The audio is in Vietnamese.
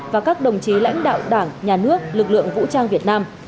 và các đồng chí lãnh đạo đảng nhà nước lực lượng vũ trang việt nam